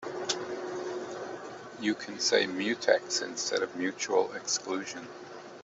You can say mutex instead of mutual exclusion.